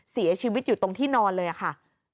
เสียชีวิตอยู่ตรงที่นอนเลยค่ะ